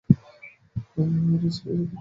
ওহ, এটা ছিলো সে যখন কথা বলা শিখেছিলো তখনকার।